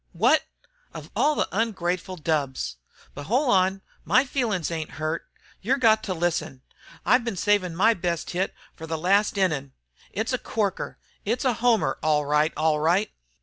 "Wot? Of all ungrateful dubbs! But hol' on, my feelin's ain't hurt. You're got to listen! I've been savin' my best hit fer the last innin'. it's a corker, a homer all right, all right!